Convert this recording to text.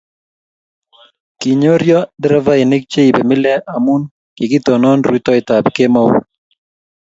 Kinyorio derevaik che ibei mile amu kikitonon rutoiteb kemou